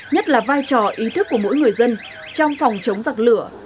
nhất là vai trò ý thức của mỗi người dân trong phòng chống giặc lửa